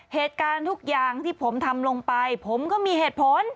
เหตุการณ์ทุกอย่างที่ผมทำลงไปผมก็มีเหตุผล